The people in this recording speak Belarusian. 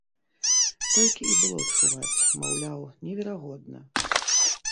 Толькі і было чуваць, маўляў, неверагодна!